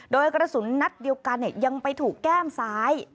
โดยกระสุนนัดเดียวกันยังไปถูกแก้มซ้าย